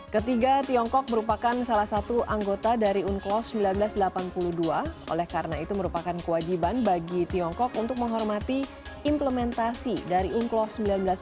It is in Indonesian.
ketiga tiongkok merupakan salah satu anggota dari unclos seribu sembilan ratus delapan puluh dua oleh karena itu merupakan kewajiban bagi tiongkok untuk menghormati implementasi dari unclos seribu sembilan ratus delapan puluh